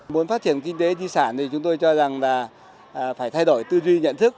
muốn phát triển kinh tế di sản thì chúng tôi cho rằng là phải thay đổi tư duy nhận thức